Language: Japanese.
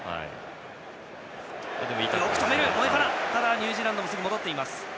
ニュージーランドはすぐ戻っています。